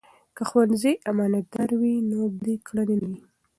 که ښوونځي امانتدار وي، نو بدې کړنې نه وي.